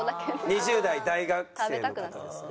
２０代大学生の方ですね。